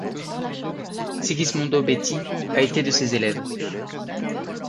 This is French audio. Sigismondo Betti a été de ses élèves.